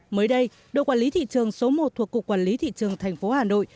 mới đây đội quản lý thị trường số một thuộc cục quản lý thị trường tp hà nội